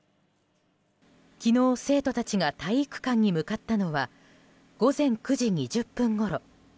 昨日、生徒たちが体育館に向かったのは午前９時２０分ごろ。